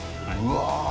うわ！